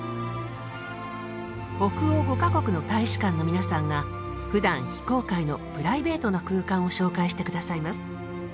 北欧５か国の大使館の皆さんがふだん非公開のプライベートな空間を紹介して下さいます。